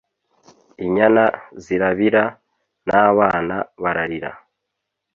inyana zirabira n'abana bararira,